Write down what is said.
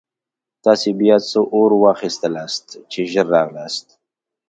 تاسې بیا څه اورا واخیستلاست چې ژر راغلاست.